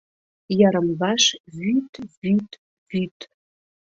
Йырым-ваш — вӱд, вӱд, вӱд...